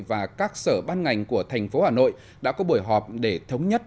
và các sở ban ngành của thành phố hà nội đã có buổi họp để thống nhất